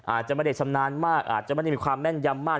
อาจจะไม่ได้ชำนาญมากอาจจะไม่ได้มีความแม่นยำมาก